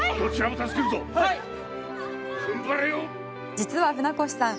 実は船越さん